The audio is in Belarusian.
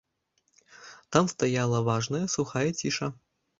Там стаяла важная, сухая ціша.